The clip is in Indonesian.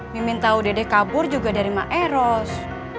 mimin tahu dedeh kabur juga dari mak eros